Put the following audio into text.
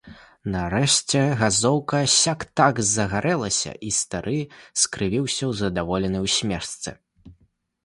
Нарэшце газоўка сяк-так загарэлася, і стары скрывіўся ў здаволенай усмешцы.